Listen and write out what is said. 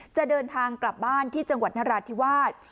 จะเดินทางกลับบ้านที่จังหวัดนราธิวาส